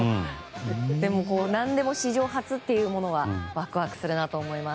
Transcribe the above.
でも何でも史上初というものはワクワクするなと思います。